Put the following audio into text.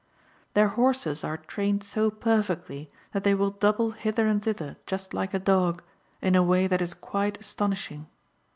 Their horses are trained so perfectly that they will double hither and thither, just like a dog, in a way that is quite astonishing.